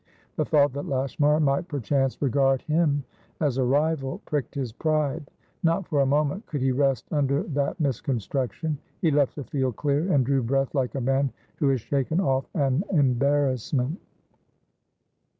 The thought that Lashmar might perchance regard him as a rival pricked his pride; not for a moment could he rest under that misconstruction. He left the field clear, and drew breath like a man who has shaken off an embarrassment.